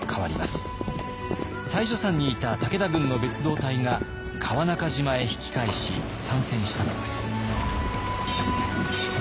妻女山にいた武田軍の別動隊が川中島へ引き返し参戦したのです。